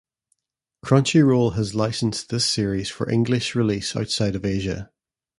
Crunchyroll has licensed this series for English release outside of Asia.